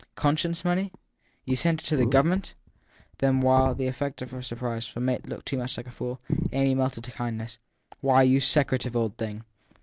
Conscience money ? You sent it to Government ? Then while, as the effect of her surprise, her mate looked too much a fool, Amy melted to kindness. Why, you secretive old thing